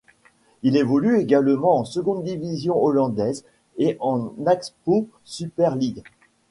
Il évolue également en seconde division hollandaise et en Axpo Super League.